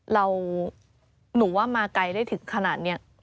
หนูว่ามาไกลได้ถึงขนาดนี้